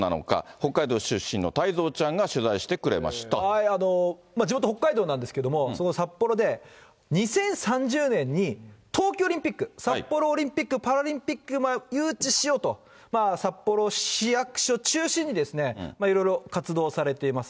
北海道出身の太蔵ちゃんが、地元、北海道なんですけれども、札幌で、２０３０年に冬季オリンピック、札幌オリンピック・パラリンピックを誘致しようと、札幌市役所中心に、いろいろ活動されています。